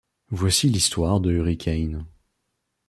Voici l'histoire de Hurricane.